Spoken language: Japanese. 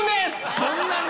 そんなに！？